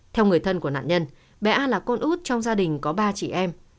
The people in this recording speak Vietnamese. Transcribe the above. theo người thân của nạn nhân bé a là con út trong gia đình có ba chị em